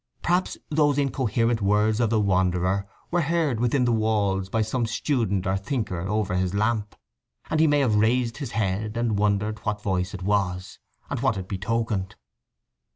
Perhaps those incoherent words of the wanderer were heard within the walls by some student or thinker over his lamp; and he may have raised his head, and wondered what voice it was, and what it betokened.